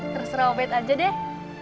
terserah obet aja deh